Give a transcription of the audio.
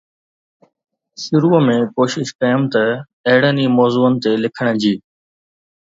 شروع ۾ ڪوشش ڪيم ته اهڙن ئي موضوعن تي لکڻ جي